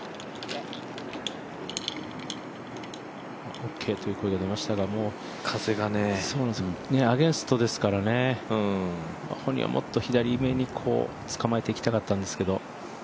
オッケーという声が出ましたがアゲンストですから、本人はもっと左目につかまえていきたかったんですけど。